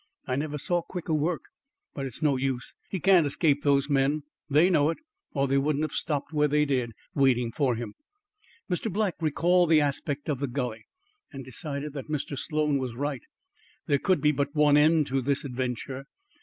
I never saw quicker work. But it's no use; he can't escape those men. They know it, or they wouldn't have stopped where they did, waiting for him." Mr. Black recalled the aspect of the gully, and decided that Mr. Sloan was right. There could be but one end to this adventure.